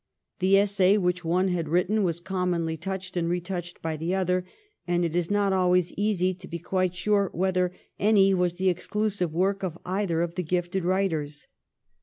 The essay which one had written was commonly touched and retouched by the other, and it is not always easy to be quite sure whether any was the exclusive work of either of the gifted writers.